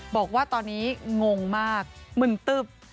บอกว่าตอนนี้งงมากมึนตึ๊บ